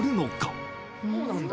そうなんだ。